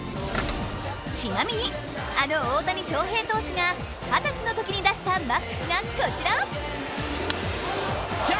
ちなみにあの大谷翔平投手が二十歳の時に出したマックスがこちら。